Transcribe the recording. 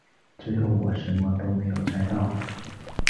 所以我最后什么都没有摘到